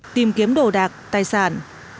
tìm kiếm đồ đạc tài sản